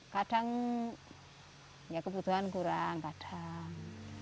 kadang ya kebutuhan kurang